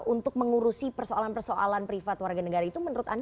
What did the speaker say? untuk mengurusi persoalan persoalan privat warga negara itu menurut anda